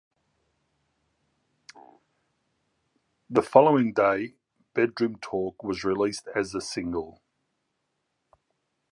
The following day, "Bedroom Talk" was released as a single.